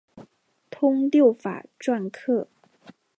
通六法篆刻。